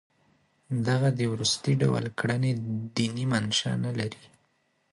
دغه د وروستي ډول کړنې دیني منشأ نه لري.